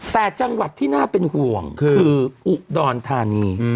แต่จังหวัดที่น่าเป็นห่วงคืออุดรธานี